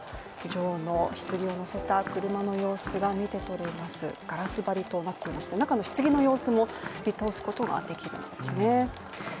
女王のひつぎを載せた車の様子が見て取れますガラス張りとなっていまして中のひつぎの様子も見通すことができるんですね。